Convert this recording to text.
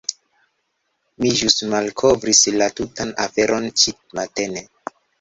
Mi ĵus malkovris la tutan aferon ĉi-matene.